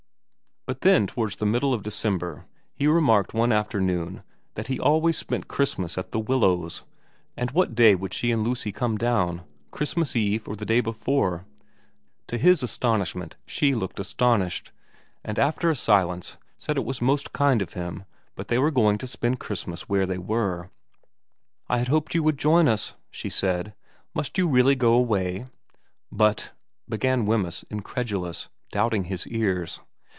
But when towards the middle of December he remarked one afternoon that he always spent Christmas at The Willows, and what day would she and Lucy come down, Christmas Eve or the day before, to his astonishment she looked astonished, and after a silence said it was most kind of him, but they were going to spend Christmas where they were. ' I had hoped you would join us,' she said. * Must you really go away ?'' But ' began Wemyss, incredulous, doubting his ears.